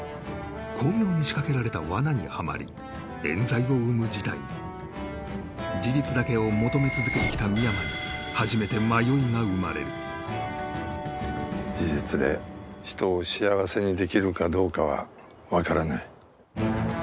巧妙に仕掛けられたわなにはまりえん罪を生む事態に事実だけを求め続けてきた深山に初めて迷いが生まれる事実で人を幸せにできるかどうかは分からない